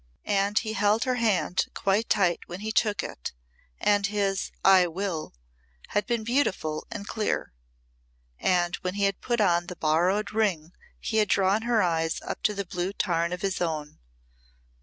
And he had held her hand quite tight when he took it and his "I will" had been beautiful and clear. And when he had put on the borrowed ring he had drawn her eyes up to the blue tarn of his own.